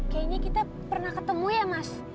kayaknya kita pernah ketemu ya mas